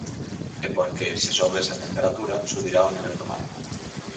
E porque, se sobe esa temperatura, subirá o nivel do mar.